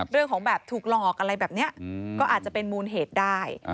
เรื่องของแบบถูกหลอกอะไรแบบนี้ก็อาจจะเป็นมูลเหตุได้